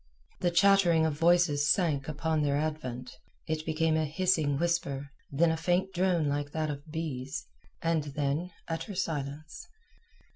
The chattering of voices sank upon their advent, it became a hissing whisper, then a faint drone like that of bees, and then utter silence.